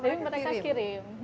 tapi mereka kirim